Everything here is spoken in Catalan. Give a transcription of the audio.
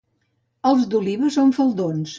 Els d'Oliva són faldons.